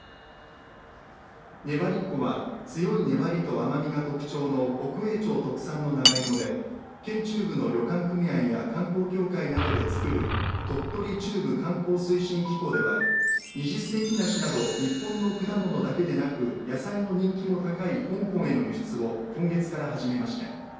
ねばりっこは強い粘りと甘みが特徴の北栄町特産の長芋で県中部の旅館組合や観光協会などでつくる鳥取中部観光推進機構では二十世紀梨など日本の果物だけではなく野菜の人気も高い香港への輸出を今月から始めました。